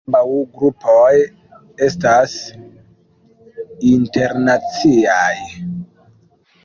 Ambaŭ grupoj estas internaciaj.